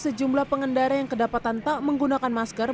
sejumlah pengendara yang kedapatan tak menggunakan masker